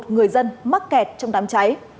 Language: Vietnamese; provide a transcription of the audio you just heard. một mươi một người dân mắc kẹt trong đám cháy